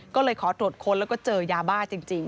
ก็เลยขอตรวจค้นแล้วก็เจอยาบ้าจริง